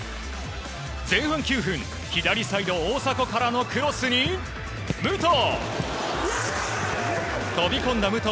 前半９分、左サイド大迫からのクロスに武藤！